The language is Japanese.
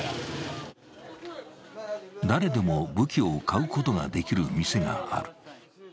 誰でも武器を買うことができる店がある。